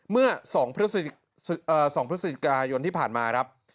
เมื่อ๒พฤศจิกายนที่ผ่านมาครับ